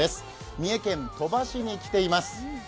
三重県鳥羽市に来ています。